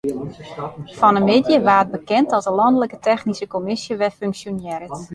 Fan 'e middei waard bekend dat de lanlike technyske kommisje wer funksjonearret.